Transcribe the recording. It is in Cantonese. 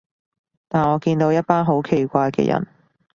但我見到一班好奇怪嘅人